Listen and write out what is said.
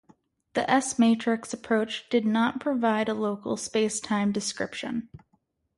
The S-matrix approach did not provide a local space-time description.